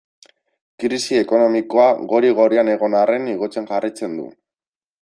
Krisi ekonomikoa gori-gorian egon arren igotzen jarraitzen du.